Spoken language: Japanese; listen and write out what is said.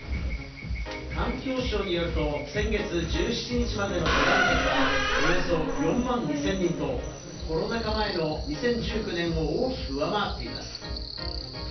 環境省によると、先月１７日までの登山客はおよそ４万２０００人と、コロナ禍前の２０１９年を大きく上回っています。